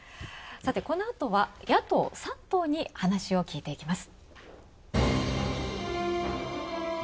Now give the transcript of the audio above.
さて、このあとは野党３党に話を聞いていきます。